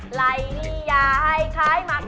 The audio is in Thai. หลายยายคล้ายมาก